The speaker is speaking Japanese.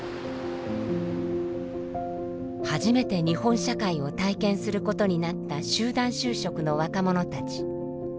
初めて日本社会を体験することになった集団就職の若者たち。